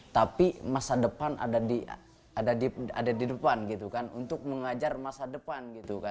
tapi masa depan ada di depan gitu kan untuk mengajar masa depan gitu kan